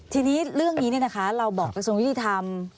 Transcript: ทีนี้เรื่องนี้นะคะเราบอกกระทรวงวิธีธรรม